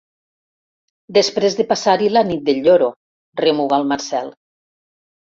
Després de passar-hi la nit del lloro —remuga el Marcel.